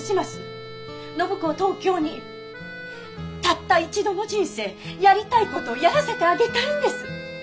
たった一度の人生やりたいことやらせてあげたいんです！